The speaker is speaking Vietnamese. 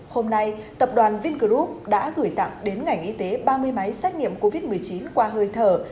hôm nay tập đoàn vingroup đã gửi tặng đến ngành y tế ba mươi máy xét nghiệm covid một mươi chín qua hơi thở